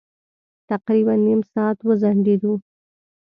تقريباً نيم ساعت وځنډېدو.